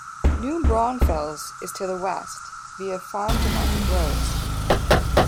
New Braunfels is to the west via Farm-to-Market Roads.